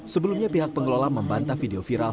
sebelumnya pihak pengelola membantah video viral